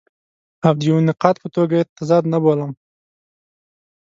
او د یوه نقاد په توګه یې تضاد نه بولم.